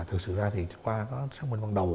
thực sự ra thì qua có xác minh ban đầu